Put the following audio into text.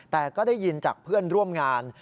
แต่ก็ได้ยินจากเพื่อนร่วมงาน